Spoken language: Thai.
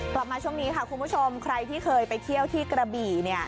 กลับมาช่วงนี้ค่ะคุณผู้ชมใครที่เคยไปเที่ยวที่กระบี่เนี่ย